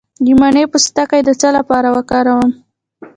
د مڼې پوستکی د څه لپاره وکاروم؟